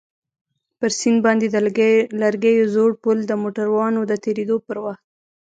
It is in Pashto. پر سيند باندى د لرګيو زوړ پول د موټرانو د تېرېدو پر وخت.